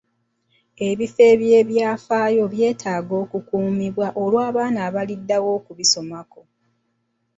Ebifo eby'ebyafaayo byetaaga okukuumibwa olw'abaana abaliddawo okubisomako.